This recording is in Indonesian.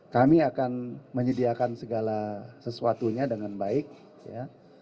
kami akan menyediakan segala sesuatunya dengan baik ya